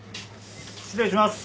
失礼します。